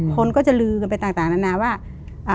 คนก็จะลือกันไปต่างนานาว่า